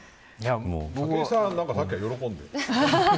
武井さんはさっきから喜んでる。